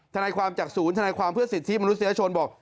ทนายความจากศูนย์ธนายความเพื่อสิทธิมนุษยชนบอก